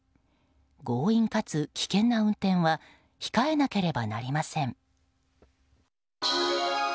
強引かつ危険な運転は控えなければなりません。